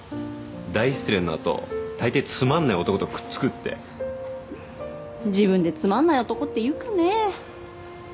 大失恋のあと大抵つまんない男とくっつくって自分でつまんない男って言うかね